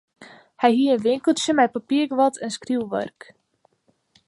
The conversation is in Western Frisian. Hy hie in winkeltsje mei papierguod en skriuwark.